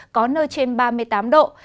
có nơi trên ba mươi tám độ